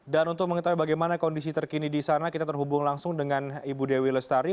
dan untuk mengetahui bagaimana kondisi terkini di sana kita terhubung langsung dengan ibu dewi lestari